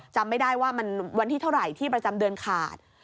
จำไม่ได้ว่ามันวันที่เท่าไหร่ที่ประจำเดือนขาด